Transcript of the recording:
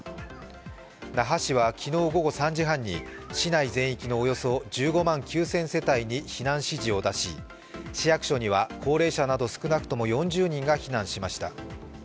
那覇市は昨日午後３時半に市内全域のおよそ１５万９０００世帯に避難指示を出し、市役所には高齢者など少なくとも４０人が避難しました。